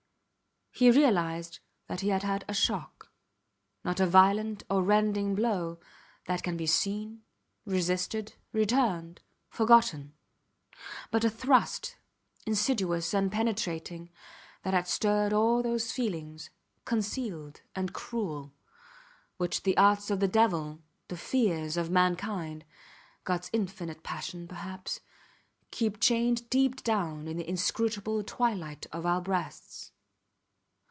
He realized that he had had a shock not a violent or rending blow, that can be seen, resisted, returned, forgotten, but a thrust, insidious and penetrating, that had stirred all those feelings, concealed and cruel, which the arts of the devil, the fears of mankind Gods infinite compassion, perhaps keep chained deep down in the inscrutable twilight of our breasts.